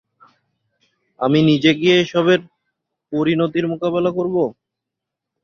আমি নিজে গিয়ে এসবের পরিণতির মোকাবেলা করব।